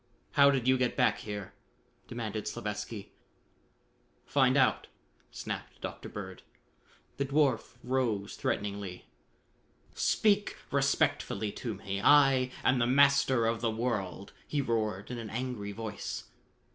"How did you get back here?" demanded Slavatsky. "Find out!" snapped Dr. Bird. The dwarf rose threateningly. "Speak respectfully to me; I am the Master of the World!" he roared in an angry voice.